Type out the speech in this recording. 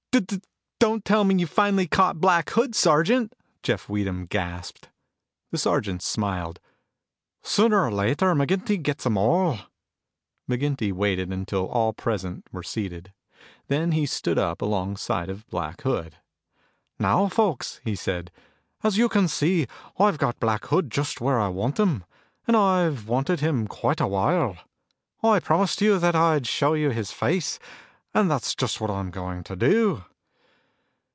"D d don't tell me you've finally caught Black Hood, Sergeant!" Jeff Weedham gasped. The sergeant smiled. "Sooner or later, McGinty gets 'em all." McGinty waited until all present were seated. Then he stood up alongside of Black Hood. "Now, folks," he said, "as you can see, I've got Black Hood just where I want him. And I've wanted him quite a while. I promised you that I'd show you his face, and that's just what I'm going to do."